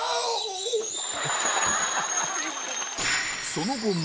その後も